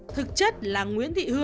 thực chất là nguyễn thị lan